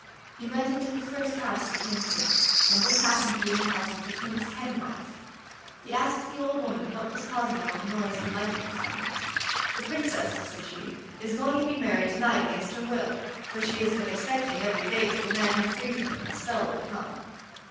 He went into the first house he came to, and this happened to be the house of the King's hen wife. He asked the old woman what was causing all the noise and light in the town. 'The Princess,' said she, 'is going to be married to night against her will, for she has been expecting every day that the man who freed her from the spell would come.